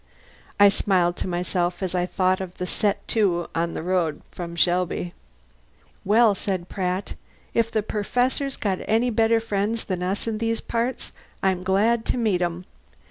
I smiled to myself as I thought of the set to on the road from Shelby. "Well," said Pratt, "if the Perfessor's got any better friends than us in these parts, I'm glad to meet 'em.